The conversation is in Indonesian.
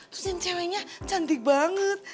terus yang ceweknya cantik banget